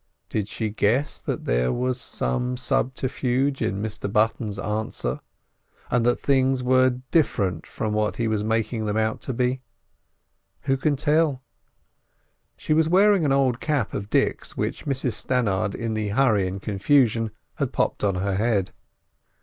Did she guess that there was some subterfuge in Mr Button's answer, and that things were different from what he was making them out to be? Who can tell? She was wearing an old cap of Dick's, which Mrs Stannard in the hurry and confusion had popped on her head.